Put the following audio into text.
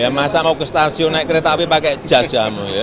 masa mau ke stasiun naik kereta api pakai jas jamu ya